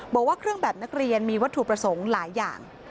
บอกว่าเครื่องแบบนักเรียนมีวัตถุประสงค์หลายอย่าง